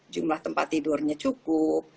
jumlah tempat tidurnya cukup